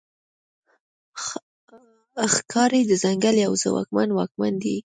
ښکاري د ځنګل یو ځواکمن واکمن دی.